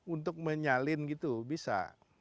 untuk menyalin gitu bisa